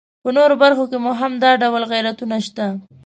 په نورو برخو کې مو هم دا ډول غیرتونه شته.